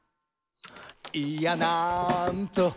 「いやなんと」